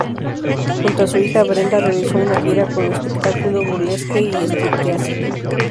Junto a su hija Brenda realizó una gira con un espectáculo burlesque y striptease.